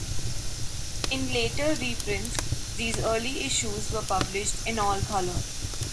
In later reprints, these early issues were published in all-color.